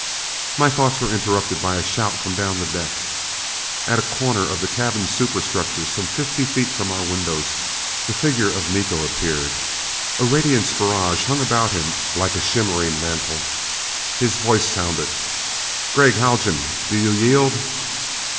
My thoughts were interrupted by a shout from down the deck. At a corner of the cabin superstructure some fifty feet from our windows the figure of Miko appeared. A radiance barrage hung about him like a shimmering mantle. His voice sounded: "Gregg Haljan, do you yield?"